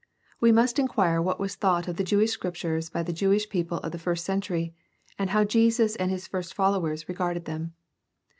We must inquire what was thought of the Jewish Scriptures by the Jewish people of the first century and how Jesus and his first followers regarded them.